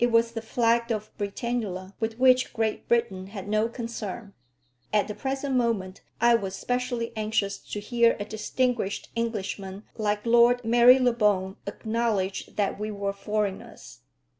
It was the flag of Britannula, with which Great Britain had no concern. At the present moment I was specially anxious to hear a distinguished Englishman like Lord Marylebone acknowledge that we were foreigners.